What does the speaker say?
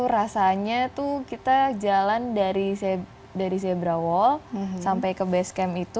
sesaat lagi dalam insight